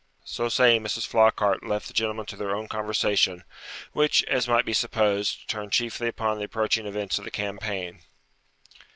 So saying, Mrs. Flockhart left the gentlemen to their own conversation, which, as might be supposed, turned chiefly upon the approaching events of the campaign.